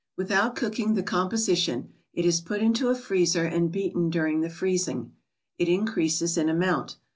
w c ^ g the composition, it is put into a freezer, and beaten during the freezing. It increases in amount.